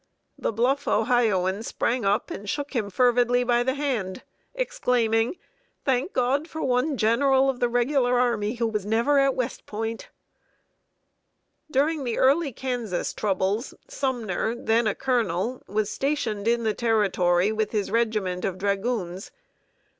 The bluff Ohioan sprang up and shook him fervidly by the hand, exclaiming, "Thank God for one general of the regular Army, who was never at West Point!" [Sidenote: HIS CONDUCT IN KANSAS.] During the early Kansas troubles, Sumner, then a colonel, was stationed in the Territory with his regiment of dragoons.